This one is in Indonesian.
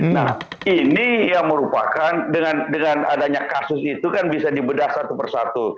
nah ini yang merupakan dengan adanya kasus itu kan bisa dibedah satu persatu